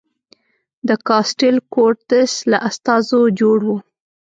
د کاسټیل کورتس له استازو جوړ و.